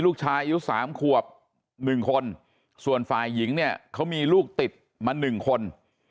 ลูกชายอายุ๓ขวบ๑คนส่วนฝ่ายหญิงเนี่ยเขามีลูกติดมา๑คน